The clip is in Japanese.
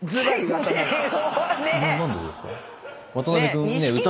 渡辺君」